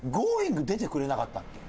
『Ｇｏｉｎｇ！』出てくれなかったっけ？